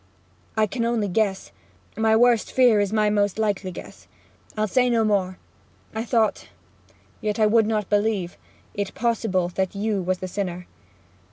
'I can on'y guess. My worst fear is my most likely guess. I'll say no more. I thought yet I would not believe it possible that you was the sinner.